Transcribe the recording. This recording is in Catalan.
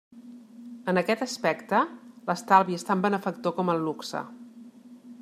En aquest aspecte, l'estalvi és tan benefactor com el luxe.